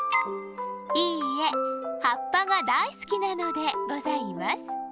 いいえはっぱがだいすきなのでございます。